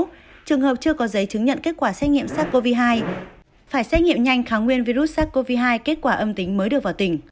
trong trường hợp chưa có giấy chứng nhận kết quả xét nghiệm sars cov hai phải xét nghiệm nhanh kháng nguyên virus sars cov hai kết quả âm tính mới được vào tỉnh